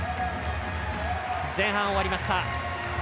前半終わりました。